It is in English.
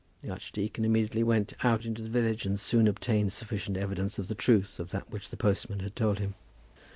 The archdeacon immediately went out into the village, and soon obtained sufficient evidence of the truth of that which the postman had told him.